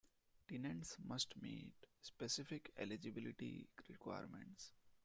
Tenants must meet specific eligibility requirements.